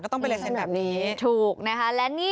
ก็ต้องเป็นแบบนี้